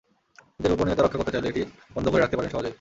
নিজের গোপনীয়তা রক্ষা করতে চাইলে এটি বন্ধ করে রাখতে পারেন সহজেই।